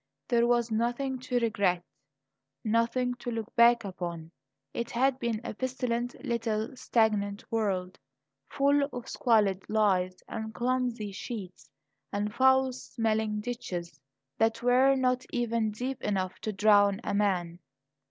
There was nothing to regret; nothing to look back upon. It had been a pestilent little stagnant world, full of squalid lies and clumsy cheats and foul smelling ditches that were not even deep enough to drown a man.